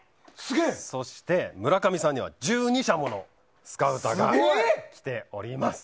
村上さんには１２社ものスカウトが来ております。